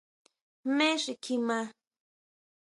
¿Jmé xi kjima?